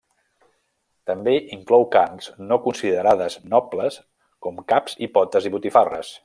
També inclou carns no considerades nobles, com caps i potes i botifarres.